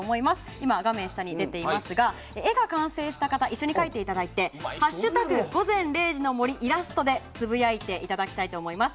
今、画面下に出ていますが絵が完成した方一緒に描いていただいて「＃午前０時の森イラスト」でつぶやいていただきたいと思います。